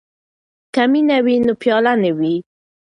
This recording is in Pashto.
که مینه وي نو پیاله نه وي.